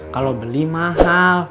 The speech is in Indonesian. kalo beli mahal